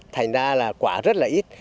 thành ra là quả rất là ít